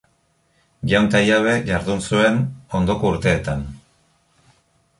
Jaun eta jabe jardun zuen ondoko urteetan.